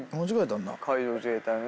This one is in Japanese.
海上自衛隊のね。